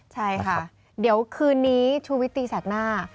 ใช่ค่ะเดี๋ยวคืนนี้ชูวิตตีแสกหน้า